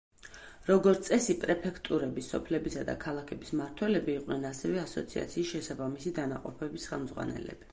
როგორც წესი, პრეფექტურების, სოფლებისა და ქალაქების მმართველები იყვნენ ასევე ასოციაციის შესაბამისი დანაყოფების ხელმძღვანელები.